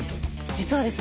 実はですね